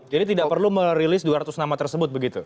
tidak perlu merilis dua ratus nama tersebut begitu